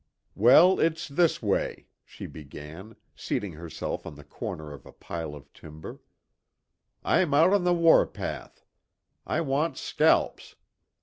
"Well, it's this way," she began, seating herself on the corner of a pile of timber: "I'm out on the war path. I want scalps.